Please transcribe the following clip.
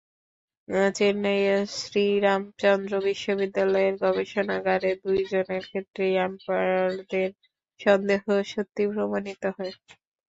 চেন্নাইয়ের শ্রীরামাচন্দ্র বিশ্ববিদ্যালয়ের গবেষণাগারে দুজনের ক্ষেত্রেই আম্পায়ারদের সন্দেহ সত্যি প্রমাণিত হয়।